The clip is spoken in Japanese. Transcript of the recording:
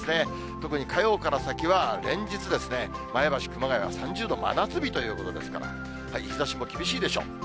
特に火曜から先は連日、前橋、熊谷は３０度、真夏日ということですから、日ざしも厳しいでしょう。